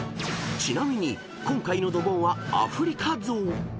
［ちなみに今回のドボンはアフリカゾウ］